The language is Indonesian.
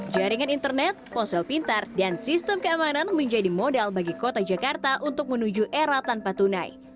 jaringan internet ponsel pintar dan sistem keamanan menjadi modal bagi kota jakarta untuk menuju era tanpa tunai